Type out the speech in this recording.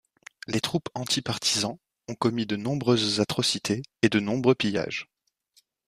Les troupes anti-partisans ont commis de nombreuses atrocités et de nombreux pillages.